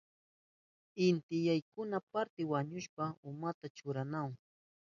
Inti yaykuna parti wañushkapa umanta churanahun.